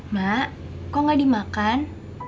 mak kok gak dimakan